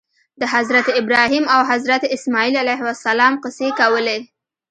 د حضرت ابراهیم او حضرت اسماعیل علیهم السلام قصې کولې.